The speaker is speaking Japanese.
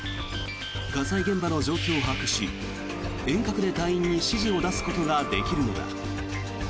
火災現場の状況を把握し遠隔で隊員に指示を出すことができるのだ。